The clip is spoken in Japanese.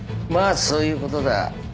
まあそういうことだ。